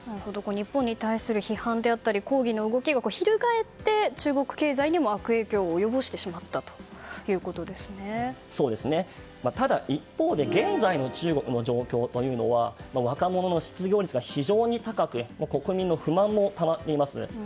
日本に対する批判だったり抗議の動きがひるがえって中国経済にも悪影響を及ぼしてしまったただ一方で現在の中国の状況は若者の失業率が非常に高く国民の不満もたまっています。